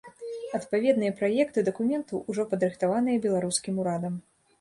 Адпаведныя праекты дакументаў ужо падрыхтаваныя беларускім урадам.